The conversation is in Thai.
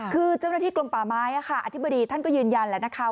คือเจ้าหน้าที่กลมป่าไม้อธิบดีท่านก็ยืนยันแล้วนะคะ